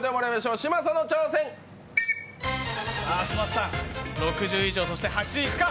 嶋佐さん、６０以上８０いくか？